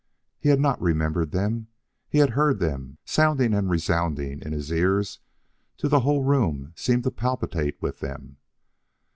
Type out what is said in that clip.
He had not remembered them; he had heard them, sounding and resounding in his ears till the whole room seemed to palpitate with them.